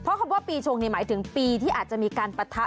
เพราะคำว่าปีชงหมายถึงปีที่อาจจะมีการปะทะ